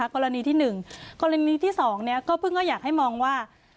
กรณีที่๑กรณีที่๒ก็เพิ่งก็อยากให้มองว่า